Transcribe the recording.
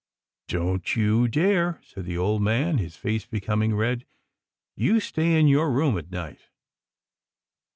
" Don't you dare," said the old man, his face becoming red. " You stay in your room at night."